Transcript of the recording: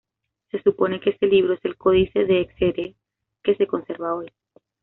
Se supone que ese libro es el Códice de Exeter que se conserva hoy.